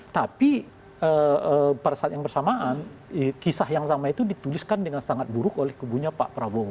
tapi pada saat yang bersamaan kisah yang sama itu dituliskan dengan sangat buruk oleh kubunya pak prabowo